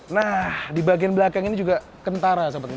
nah di bagian belakang ini juga kentara